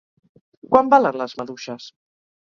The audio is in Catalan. Quant valen les maduixes?